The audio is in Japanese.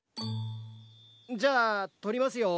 じゃあとりますよ。